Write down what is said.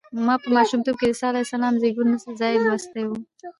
ما په ماشومتوب کې د عیسی علیه السلام د زېږون ځای لوستی و.